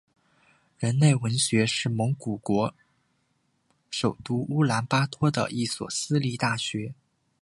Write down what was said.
人文大学是蒙古国首都乌兰巴托的一所私立大学。